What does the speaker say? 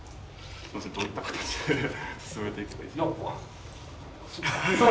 すみませんどういった形で進めていけばいいですか？